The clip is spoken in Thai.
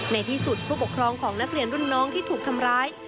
ในที่สุดผู้ปกครองของนักเรียนรุ่นน้องที่ถูกทำร้าย